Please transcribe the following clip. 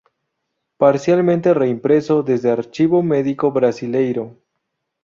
Parcialmente reimpreso desde Archivo Medico Brasileiro